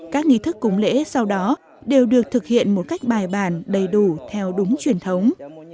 các nghi thức cúng lễ sau đó đều được thực hiện một cách bài bản đầy đủ theo đúng truyền thống